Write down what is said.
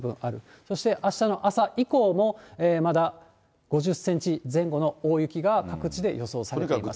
そして、あしたの朝以降も、まだ５０センチ前後の大雪が各地で予想されます。